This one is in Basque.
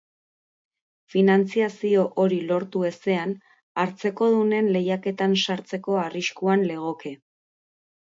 Finantziazio hori lortu ezean, hartzekodunen lehiaketan sartzeko arriskuan legoke.